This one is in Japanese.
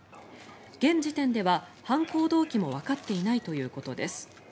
現時点では犯行動機もわかっていないということです。